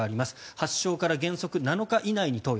発症から原則７日以内に投与。